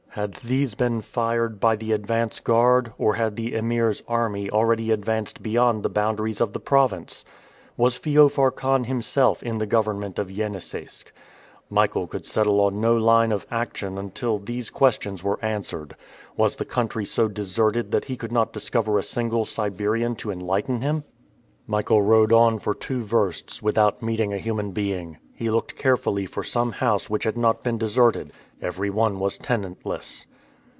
Had these been fired by the advance guard, or had the Emir's army already advanced beyond the boundaries of the province? Was Feofar Khan himself in the government of Yeniseisk? Michael could settle on no line of action until these questions were answered. Was the country so deserted that he could not discover a single Siberian to enlighten him? Michael rode on for two versts without meeting a human being. He looked carefully for some house which had not been deserted. Every one was tenantless.